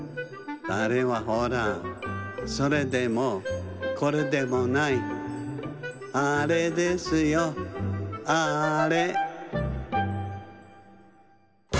あれはほらそれでもこれでもないあれですよあれ！